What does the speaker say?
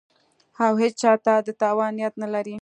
او هېچا ته د تاوان نیت نه لري